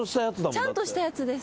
ちゃんとしたやつです。